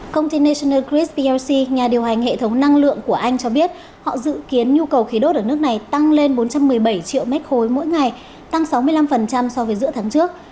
công ty national cred plc nhà điều hành hệ thống năng lượng của anh cho biết họ dự kiến nhu cầu khí đốt ở nước này tăng lên bốn trăm một mươi bảy triệu mét khối mỗi ngày tăng sáu mươi năm so với giữa tháng trước